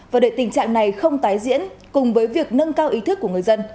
và để tình trạng này không tái diễn cùng với việc nâng cao ý thức của người dân